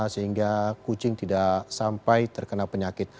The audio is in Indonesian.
sehingga kucing tidak sampai terkena penyakit